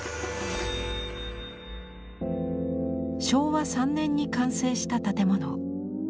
昭和３年に完成した建物。